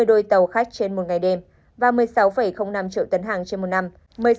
hai mươi đôi tàu khách trên một ngày đêm và một mươi sáu năm triệu tấn hàng trên một năm